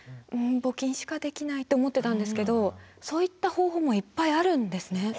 募金しかできないって思ってたんですけどそういった方法もいっぱいあるんですね。